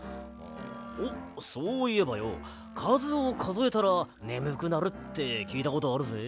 おっそういえばよかずをかぞえたらねむくなるってきいたことあるぜ。